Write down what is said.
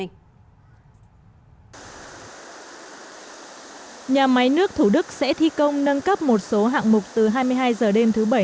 nhà máy nước thủ đức sẽ thi công nâng cấp một số hạng mục từ hai mươi hai h đêm thứ bảy